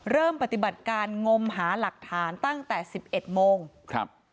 เริ่มปฏิบัติการงมหาหลักฐานตั้งแต่สิบเอ็ดโมงครับ